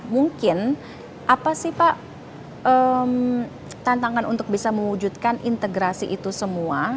mungkin apa sih pak tantangan untuk bisa mewujudkan integrasi itu semua